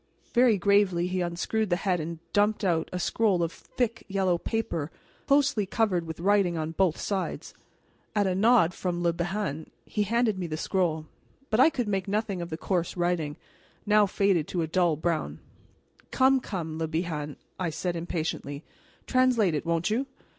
Very gravely he unscrewed the head and dumped out a scroll of thick yellow paper closely covered with writing on both sides. At a nod from Le Bihan he handed me the scroll. But I could make nothing of the coarse writing, now faded to a dull brown. "Come, come, Le Bihan," I said impatiently, "translate it, won't you?